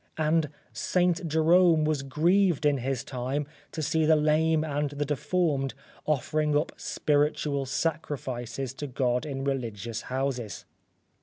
And St. Jerome was grieved in his time to see the lame and the deformed offering up spiritual sacrifices to God in religious houses.